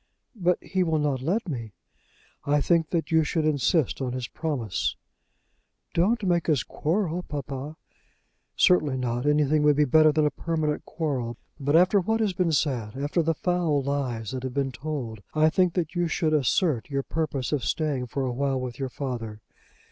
"But he will not let me." "I think that you should insist on his promise." "Don't make us quarrel, papa." "Certainly not. Anything would be better than a permanent quarrel. But, after what has been said, after the foul lies that have been told, I think that you should assert your purpose of staying for awhile with your father.